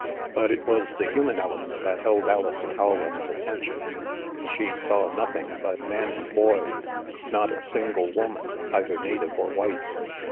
But it was the human element that held Alison Rowland's attention. She saw nothing but men and THE MAELSTROM 151 boys — not a single woman, either native or white.